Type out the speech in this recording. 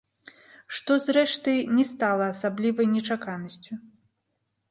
Што, зрэшты, не стала асаблівай нечаканасцю.